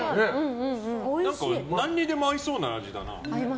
何にでも合いそうな味だな。